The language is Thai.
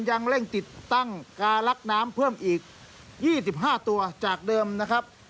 ยังเร่งติดตั้งกาลักน้ำเพิ่มอีก๒๕ตัวจากเดิมนะครับ